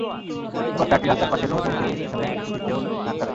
এরপর ট্রাকটি রাস্তার পাশের লৌহজং ফিলিং স্টেশনের একটি খুঁটিতে ধাক্কা খায়।